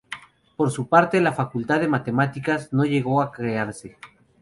Por su parte, la Facultad de Matemáticas no llegó a crearse.